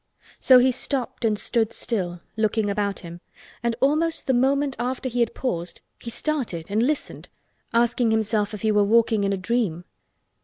So he stopped and stood still, looking about him, and almost the moment after he had paused he started and listened—asking himself if he were walking in a dream.